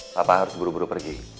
bapak harus buru buru pergi